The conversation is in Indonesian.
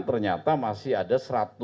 ternyata masih ada satu ratus tujuh